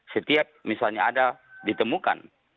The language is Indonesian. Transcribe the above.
setiap misalnya ada ditemukan